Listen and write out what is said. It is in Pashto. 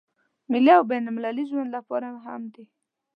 ملي او بين المللي ژوند لپاره هم دی.